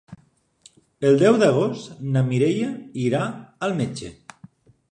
El deu d'agost na Mireia irà al metge.